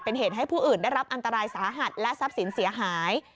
เป็นเหตุให้ผู้อื่นได้รับอันตรายสาหัสและทรัพย์สินเสียหาย